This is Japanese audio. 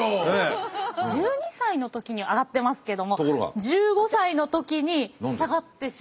１２歳の時に上がってますけども１５歳の時に下がってしまいました。